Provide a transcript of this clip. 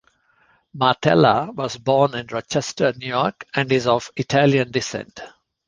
Martella was born in Rochester, New York, and is of Italian descent.